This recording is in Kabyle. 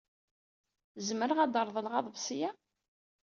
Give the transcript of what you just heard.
Zemreɣ ad d-reḍleƔ aḍebsi-ya?